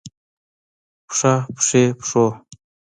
پښه ، پښې ، پښو